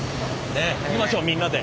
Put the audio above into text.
ねっいきましょうみんなで。